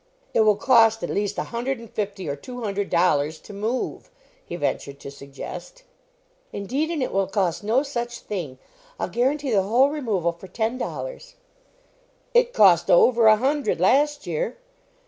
"It will cost at least a hundred and fifty or two hundred dollars to move," he ventured to suggest. "Indeed, and it will cost no such thing. I'll guaranty the whole removal for ten dollars." "It cost over a hundred last year."